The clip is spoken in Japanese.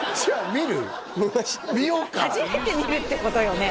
見ましょう初めて見るってことよね？